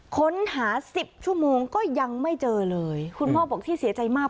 ค้นหาสิบชั่วโมงก็ยังไม่เจอเลยคุณพ่อบอกที่เสียใจมาก